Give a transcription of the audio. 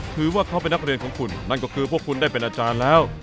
ถือว่าเขาเป็นนักเรียนของคุณนั่นก็คือพวกคุณได้เป็นอาจารย์แล้ว